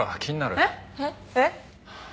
えっ？えっ？